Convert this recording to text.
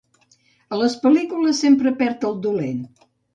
A les pel·lícules sempre perd el dolent.